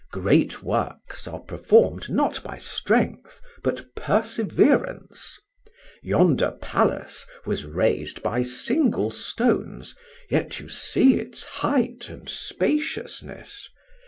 Great works are performed not by strength, but perseverance; yonder palace was raised by single stones, yet you see its height and spaciousness.